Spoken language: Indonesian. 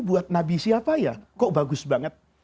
buat nabi siapa ya kok bagus banget